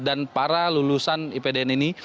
dan para lulusan ipdn ini